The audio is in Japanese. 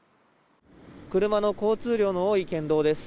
車の交通量の多い県道です。